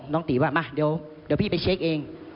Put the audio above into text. ตีว่ามาเดี๋ยวพี่ไปเช็คเอง